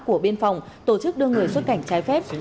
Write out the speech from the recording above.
của biên phòng tổ chức đưa người xuất cảnh trái phép